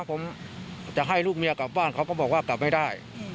ผมจะให้ลูกเมียกลับบ้านเขาก็บอกว่ากลับไม่ได้